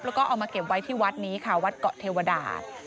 แล้วก็เอามาเก็บไว้ที่วัดนี้ค่ะวัดเกาะเทวดา